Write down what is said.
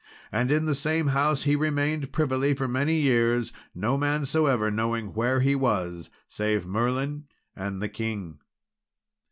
And in the same house he remained privily for many years, no man soever knowing where he was, save Merlin and the king.